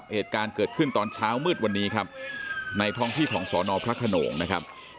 เหตุการณ์เกิดขึ้นตอนเช้ามืดวันนี้ครับในท้องที่ของสอนอพระขนงนะครับ